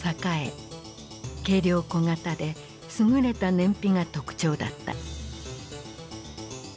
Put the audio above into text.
軽量・小型で優れた燃費が特徴だった。